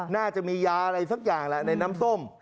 น่าจะมียาอะไรสักอย่างแหละในน้ำส้ม